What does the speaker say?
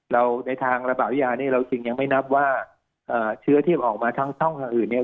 ในทางระบาดวิทยาเนี่ยเราจึงยังไม่นับว่าเชื้อที่ออกมาทั้งช่องทางอื่นเนี่ย